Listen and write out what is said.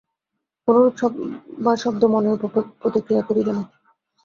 কোন রূপ বা শব্দ মনের উপর প্রতিক্রিয়া করিবে না।